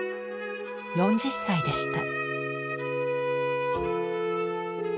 ４０歳でした。